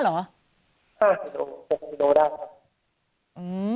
๕กิโล๖กิโลได้ครับ